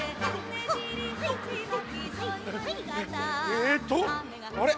えっとあれ？